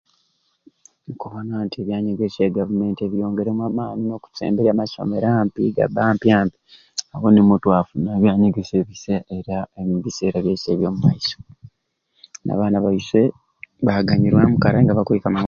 Nkubona nti ebyanyegesya e Gavumenti ebyongeremu amaani okusemberya amasomero ampi gabbe ampi ampi omwo nimwo twafuna ebyanyegesya ebisai era omubiseera byaiswe eyamumaiso n'abaana baiswe baganyurwamu karai nga bakwika ma.